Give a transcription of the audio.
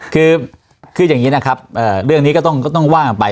คือคืออย่างงี้นะครับเอ่อเรื่องนี้ก็ต้องก็ต้องว่างกันไป